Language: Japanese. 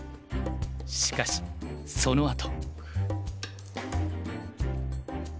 しかしそのあと。